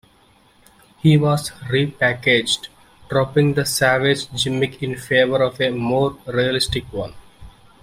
He was repackaged, dropping the savage gimmick in favour of a more realistic one.